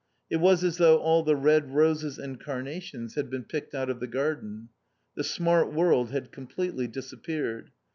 It was as though all the red roses and carnations had been picked out of the garden. The smart world had completely disappeared.